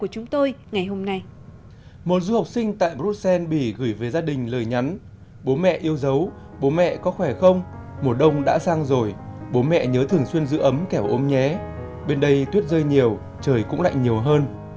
chuyên giữ ấm kẻo ôm nhé bên đây tuyết rơi nhiều trời cũng lạnh nhiều hơn